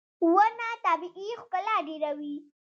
• ونه طبیعي ښکلا ډېروي.